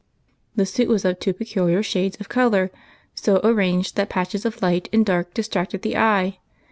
The suit was of two peculiar shades of blue, so ar ranged that patches of light and dark distracted the eye.